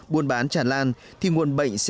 buôn bán tràn lan thì nguồn bệnh sẽ